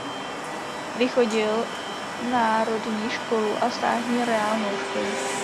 Vychodil národní školu a státní reálnou školu.